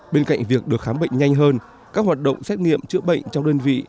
bên cạnh việc được khám bệnh nhanh hơn các hoạt động xét nghiệm chữa bệnh trong đơn vị